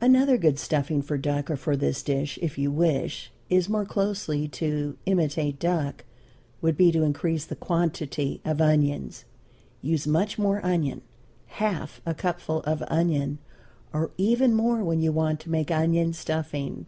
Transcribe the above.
Another good stuffing for duck or for this dish, if you wish it more closely to imitate duck, would be to increase the quantity of onion use much more onion, half a cupful of onion, or even more when you want to make onion stuffing.